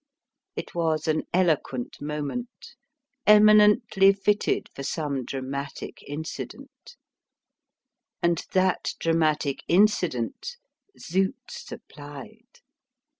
It was an eloquent moment, eminently fitted for some dramatic incident, and that dramatic incident Zut supplied.